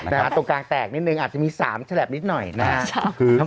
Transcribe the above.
ตรงกลางแตกนิดนึงอาจจะมี๓ฉลับนิดหน่อยนะครับ